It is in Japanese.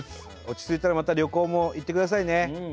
落ち着いたらまた旅行も行ってくださいね。